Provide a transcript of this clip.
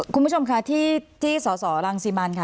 คุณผู้ชมค่ะที่สสรังสิมันค่ะ